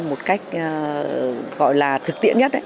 một cách gọi là thực tiễn nhất